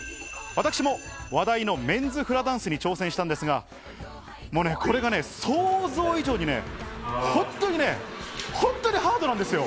私も話題のメンズフラダンスに挑戦したんですが、もうね、これがね、想像以上にね、本当にね、本当にハードなんですよ！